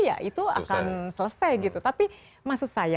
ya itu akan selesai gitu tapi maksud saya